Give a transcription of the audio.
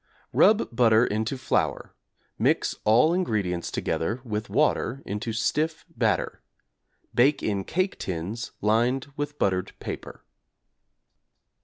Rub butter into flour, mix all ingredients together with water into stiff batter; bake in cake tins lined with buttered paper.